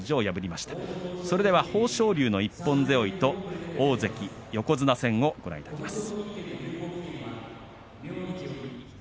豊昇龍の一本背負いと大関横綱戦をご覧いただきます。